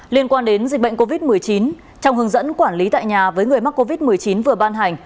liên quan đến dịch bệnh covid một mươi chín trong hướng dẫn quản lý tại nhà với người mắc covid một mươi chín vừa ban hành